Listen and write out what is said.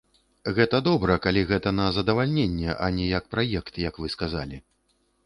Гэта добра, калі гэта на задавальненне, а не як праект, як вы сказалі.